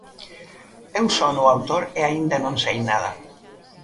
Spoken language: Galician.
Eu son o autor e aínda non sei nada.